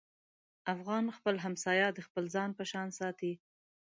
افغان خپل همسایه د خپل ځان په شان ساتي.